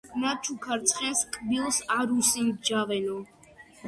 ნაჩუქარ ცხენს კბილს არ უსინჯავენო